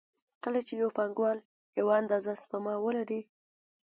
کله چې یو پانګوال یوه اندازه سپما ولري